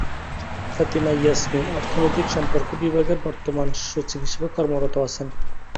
ফাতিমা ইয়াসমিন অর্থনৈতিক সম্পর্ক বিভাগের বর্তমান সচিব হিসেবে কর্মরত আছেন।